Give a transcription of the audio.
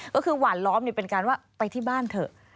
ก็คือหวานล้อมเป็นการว่าไปที่บ้านเถอะ